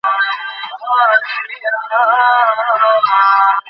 এটা অবশ্যই এক অদ্ভুত ব্যাপার।